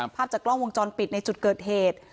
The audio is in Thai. ภาพจากกล้องวงจรปิดในจุดเกิดเหตุ